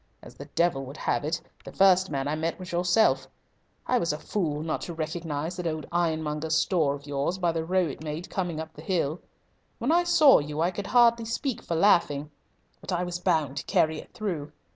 As the devil would have it, the first man I met was yourself. I was a fool not to recognise that old ironmonger's store of yours by the row it made coming up the hill. When I saw you I could hardly speak for laughing. But I was bound to carry it through.